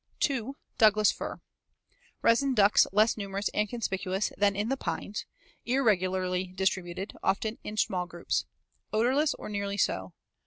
2. Douglas fir. Resin ducts less numerous and conspicuous than in the pines, irregularly distributed, often in small groups. Odorless or nearly so.